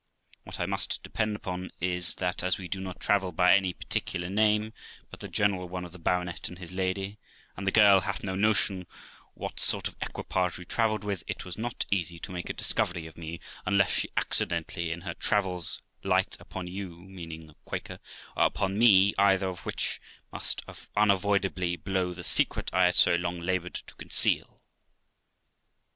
Roxana. What I most depend upon is, that, as we do not travel by any particular name, but the general one of the baronet and his lady, and THE LIFE OF ROXANA 395 the girl hafh no notion what sort of equipage we travelled with, it was not easy to make a discovery of me, unless she accidentally, in her travels, light upon you (meaning the Quaker), or upon me ; either of which must unavoidably blow the secret I had so long laboured to conceal.